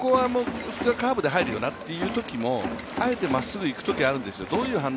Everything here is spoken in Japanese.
普通はカーブではいるよなってときも、あえてまっすぐいくときがあるんですよ。